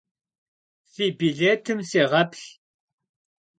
Fi bilêtım sêğeplh.